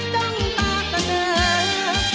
จ้องตาจนเจอ